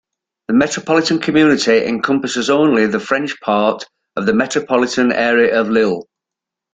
The Metropolitan community encompasses only the French part of the metropolitan area of Lille.